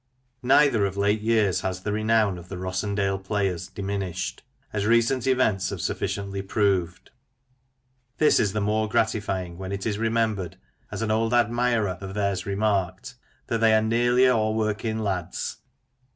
Neither of late years has the renown of the " Rossendale Players " diminished, as recent events have sufficiently proved. This is the more gratifying, when it is remembered — ^as an old admirer of theirs remarked — that "they are nearly a' working lads."